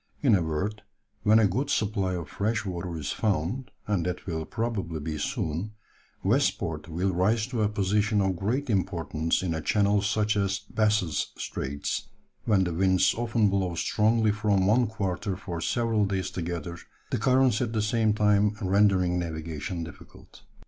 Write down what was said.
In a word, when a good supply of fresh water is found, and that will probably be soon, West Port will rise to a position of great importance in a channel such as Bass's Straits, when the winds often blow strongly from one quarter for several days together, the currents at the same time rendering navigation difficult."